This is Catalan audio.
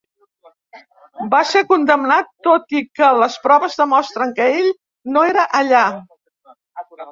Va ser condemnat tot i que les proves demostren que ell no era allà.